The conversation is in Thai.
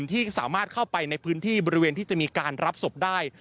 ที่สามารถเข้าไปในพื้นที่บริเวณที่จะมีการรับศพได้